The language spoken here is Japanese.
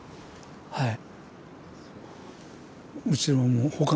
はい。